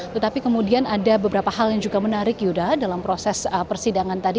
tetapi kemudian ada beberapa hal yang juga menarik yuda dalam proses persidangan tadi